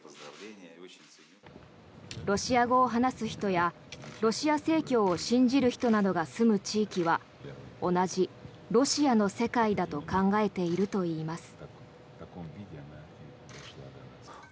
ロシア語を話す人やロシア正教を信じる人などが住む地域は同じロシアの世界だと考えているといいます。